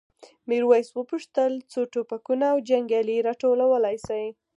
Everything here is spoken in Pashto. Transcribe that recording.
میرويس وپوښتل څو ټوپکونه او جنګیالي راټولولی شئ؟